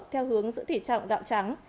theo hướng giữa thỉ trọng gạo trắng